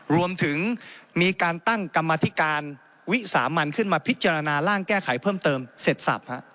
รวมถึงมีการตั้งกรรมธิการวิสามันขึ้นมาพิจารณาร่างแก้ไขเพิ่มเติมเสร็จสับ